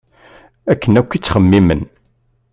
Akken akk i ttxemmimen.